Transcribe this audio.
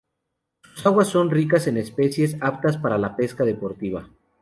Sus aguas son ricas en especies aptas para la pesca deportiva.